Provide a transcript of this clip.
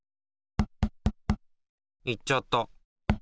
いっちゃった。